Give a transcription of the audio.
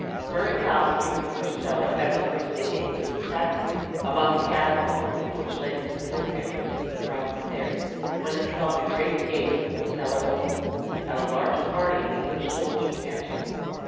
Murray passed through the first cellar, and was proceeding to the second (among the catacombs of which lay the concealed entrance to the private stairs), when he saw the great gates of the cellar open, and a large party of English soldiers enter.